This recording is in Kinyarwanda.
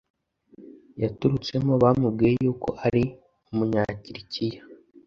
yaturutsemo Bamubwiye yuko ari Umunyakilikiya